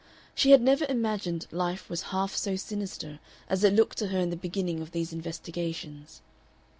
She had never imagined life was half so sinister as it looked to her in the beginning of these investigations.